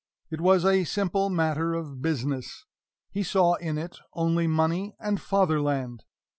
It was a simple matter of business; he saw in it only money and Fatherland.